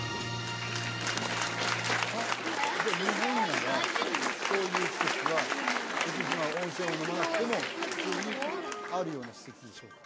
じゃあ日本ならそういう施設は別にそんな温泉を飲まなくても普通にあるような施設でしょうか？